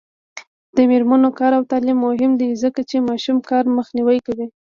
د میرمنو کار او تعلیم مهم دی ځکه چې ماشوم کار مخنیوی کوي.